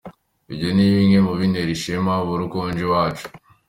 Ibyo ni bimwe mu bintera ishema buri uko nje iwacu.